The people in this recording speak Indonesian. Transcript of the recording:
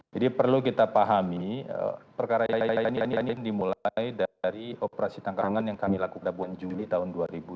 jadi perlu kita pahami perkaranya ini dimulai dari operasi tangkangan yang kami lakukan pada bulan juli tahun dua ribu delapan belas